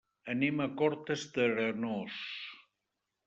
Anem a Cortes d'Arenós.